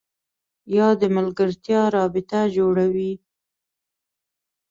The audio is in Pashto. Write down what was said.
یا د ملګرتیا رابطه جوړوي